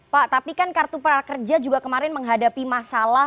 pak tapi kan kartu prakerja juga kemarin menghadapi masalah